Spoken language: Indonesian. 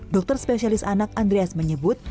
dokter spesialis anak andreas menyebut